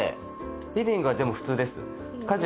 リビングはでも普通です。